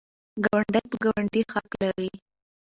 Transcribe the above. ګاونډی په ګاونډي حق لري.